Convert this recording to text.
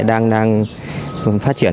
đang phát triển